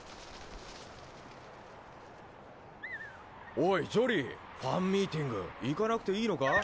おいジョリーファンミーティング行かなくていいのか？